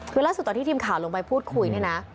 คือล่าสุดตอนที่ทีมข่าวลงไปพูดคุยเนี่ยนะ